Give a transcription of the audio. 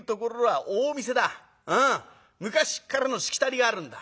昔っからのしきたりがあるんだ。